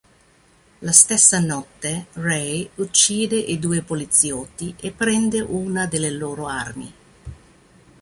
La stessa notte, Ray uccide i due poliziotti e prende una delle loro armi.